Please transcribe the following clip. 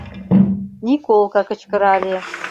— Николка кычкырале.